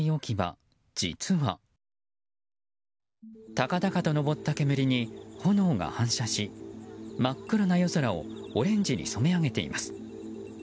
高々と上った煙に炎が反射し真っ暗な夜空をオレンジに染め上げています。